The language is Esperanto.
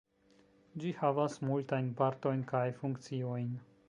Ĝi havas multajn partojn kaj funkciojn.